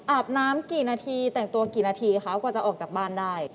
อาบน้ำกี่นาทีแต่งตัวกี่นาทีคะกว่าจะออกจากบ้านได้